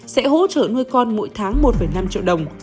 sẽ hỗ trợ nuôi con mỗi tháng một